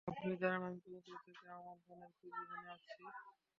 আপনি কি জানেন আমি কতদূর থেকে আমার বোনের খোঁজে এখানে আসছি।